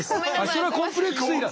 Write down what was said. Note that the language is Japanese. それはコンプレックス。